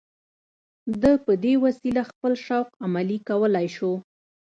ده په دې وسیله خپل شوق عملي کولای شو